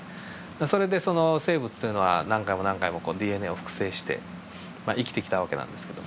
それでその生物というのは何回も何回もＤＮＡを複製して生きてきた訳なんですけども。